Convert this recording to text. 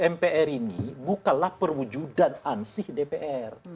mpr ini bukanlah perwujudan ansih dpr